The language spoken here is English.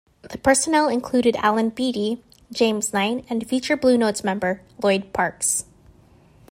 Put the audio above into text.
The personnel included Allen Beatty, James Knight, and future Blue Notes member Lloyd Parks.